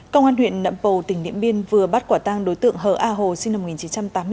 công an huyện nậm pồ tỉnh điện biên vừa bắt quả tang đối tượng hờ a hồ sinh năm một nghìn chín trăm tám mươi bốn